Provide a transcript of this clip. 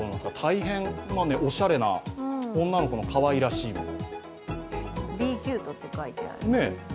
大変おしゃれな、女の子のかわいらしいもの。